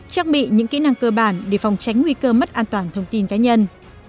trang bị những kỹ năng cơ bản để phòng tránh nguy cơ mất an toàn thông tin cá nhân